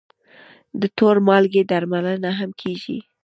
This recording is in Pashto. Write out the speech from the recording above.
د تور مالګې درملنه هم کېږي.